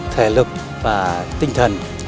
thể lực và tinh thần